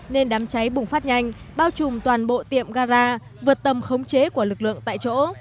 nên đám cháy bùng phát nhanh bao trùm toàn bộ tiệm gara vượt tầm khống chế của lực lượng tại chỗ